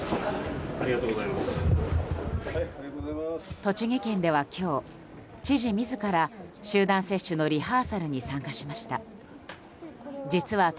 栃木県では今日、知事自ら集団接種のリハーサルに参加しました。